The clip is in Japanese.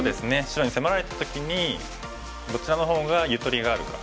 白に迫られた時にどちらの方がゆとりがあるか。